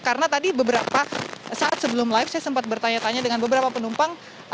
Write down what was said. karena tadi beberapa saat sebelum live saya sempat bertanya tanya dengan beberapa penumpang